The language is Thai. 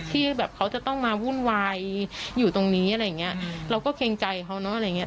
ที่แบบเขาจะต้องมาวุ่นวายอยู่ตรงนี้อะไรอย่างเงี้ยเราก็เกรงใจเขาเนอะอะไรอย่างเงี้